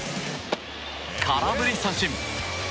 空振り三振！